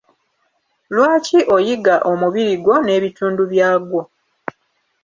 Lwaki oyiga omubiri gwo n'ebitundu byagwo?